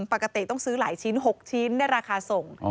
ปกติต้องซื้อหลายชิ้น๖ชิ้นได้ราคาส่ง